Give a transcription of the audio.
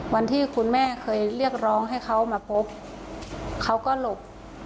วันที่คุณแม่เคยเรียกร้องให้เขามาพบเขาก็หลบ